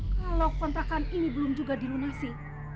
kalau kontrakan ini belum juga dilunasi